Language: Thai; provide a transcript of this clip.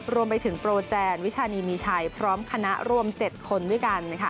รวมไปถึงโปรแจนวิชานีมีชัยพร้อมคณะรวม๗คนด้วยกัน